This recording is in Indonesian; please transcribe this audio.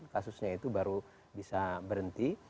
kasusnya itu baru bisa berhenti